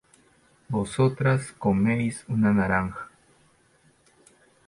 vosotras coméis una naranja